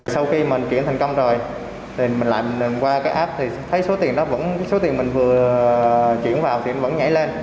sau khi mình chuyển thành công rồi mình lại qua cái app thì thấy số tiền mình vừa chuyển vào thì vẫn nhảy lên